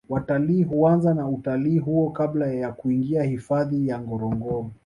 watalii huanza na utalii huo kabla ya kuingia hifadhi ya ngorongoro